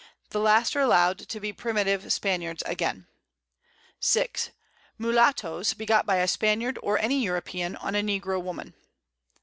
These last are allowed to be Primitive Spaniards again. 6. Mullattoes, begot by a Spaniard, or any European, on a Negro Woman.